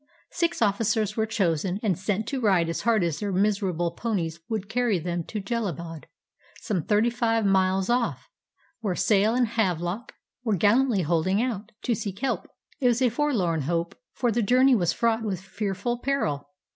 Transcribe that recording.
Six officers were chosen and sent to ride as hard as their miserable ponies would carry them to Jellalabad, some thirty five miles ofif, where Sale and Havelock were gallantly holding out, to seek help. It was a forlorn hope, for the journey was fraught with fearful peril.